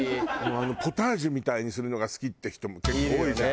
ポタージュみたいにするのが好きって人も結構多いじゃん。